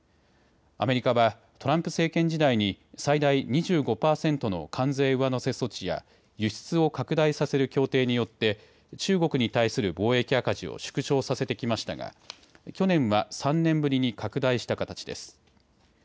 アメリカはトランプ政権時代に最大２５％の関税上乗せ措置や輸出を拡大させる協定によって中国に対する貿易赤字を縮小させてきましたが去年は３年ぶりに拡大した形です。